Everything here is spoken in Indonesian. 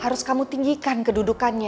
harus kamu tinggikan kedudukannya